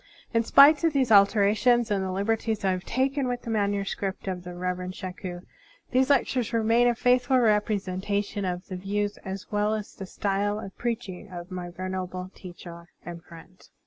In spite of these alterations and the liberties I have taken with the manuscripts of the Rev erend Shaku, these lectures remain a faithful ref)resentation of the views as well as the style of preaching of my venerable teacher and friend.